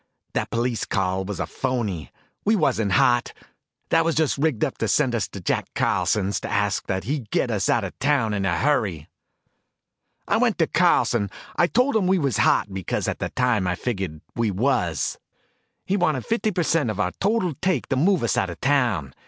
That police call was a phoney. We wasn't hot. That was just rigged up to send us to Jack Carlson to ask that he get us out of town in a hurry. "I went to Carlson. I told him we was hot, because at the time I figured we was. He wanted fifty per cent of our total take to move us out of town.